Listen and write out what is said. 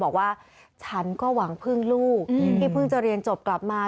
บอกว่าฉันก็หวังพึ่งลูกที่เพิ่งจะเรียนจบกลับมา